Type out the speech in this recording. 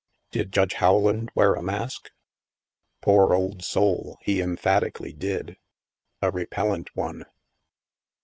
Did Judge Rowland wear a mask? Poor old soul, he emphatically did. A repellent one.